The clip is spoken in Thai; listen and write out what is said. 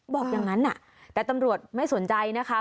บอกอย่างนั้นแต่ตำรวจไม่สนใจนะคะ